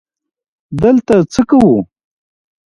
_دلته څه کوو؟